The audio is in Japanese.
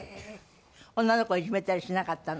女の子いじめたりしなかったの？